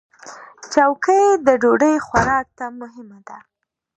چوکۍ د ډوډۍ خوراک ته مهمه ده.